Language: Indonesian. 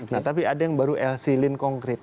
nah tapi ada yang baru lc lean concrete